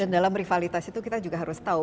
dan dalam rivalitas itu kita juga harus tahu